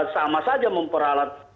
sama saja memperalat